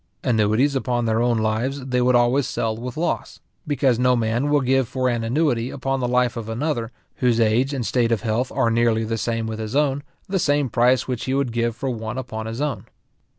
Annuities upon their own lives they would always sell with loss; because no man will give for an annuity upon the life of another, whose age and state of health are nearly the same with his own, the same price which he would give for one upon his own.